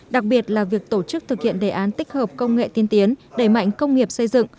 đặc biệt là việc tổ chức thực hiện đề án tích hợp công nghệ tiên tiến đẩy mạnh công nghiệp xây dựng